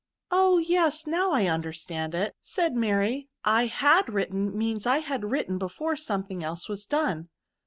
"" Oh ! yes : now. I understand it," said S60 TERBS. Mary* I had written, means I had written before something else was done."